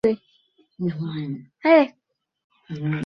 পাখনার কিনারা কমলা বর্ণের ও দাগ টানা আছে।